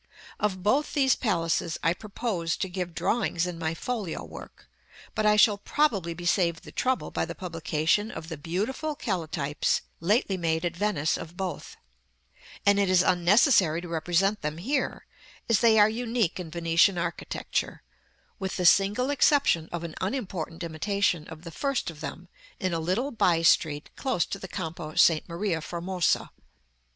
Of both these palaces I purposed to give drawings in my folio work; but I shall probably be saved the trouble by the publication of the beautiful calotypes lately made at Venice of both; and it is unnecessary to represent them here, as they are unique in Venetian architecture, with the single exception of an unimportant imitation of the first of them in a little by street close to the Campo Sta. Maria Formosa.